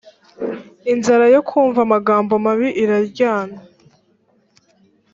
inzara yo kumva amagambo mabi iraryana